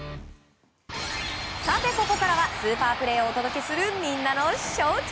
さて、ここからはスーパープレーをお届けするみんなのＳＨＯＷＴＩＭＥ！